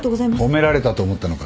褒められたと思ったのか？